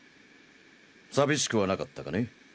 寂しくはなかったかね？